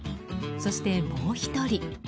そして、もう１人。